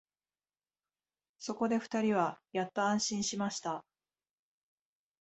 そこで二人はやっと安心しました